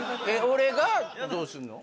俺がどうするの？